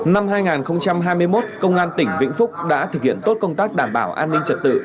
năm hai nghìn hai mươi một công an tỉnh vĩnh phúc đã thực hiện tốt công tác đảm bảo an ninh trật tự